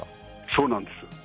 そうなんです。